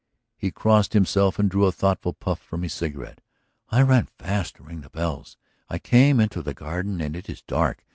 He crossed himself and drew a thoughtful puff from his cigarette. "I run fast to ring the bells. I come into the garden and it is dark.